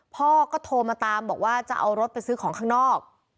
พ่อก็โทรมาตามบอกว่าจะเอารถไปซื้อของข้างนอก